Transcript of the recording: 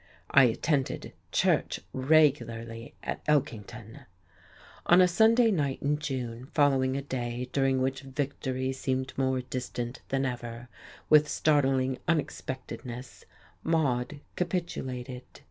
I attended church regularly at Elkington.... On a Sunday night in June, following a day during which victory seemed more distant than ever, with startling unexpectedness Maude capitulated.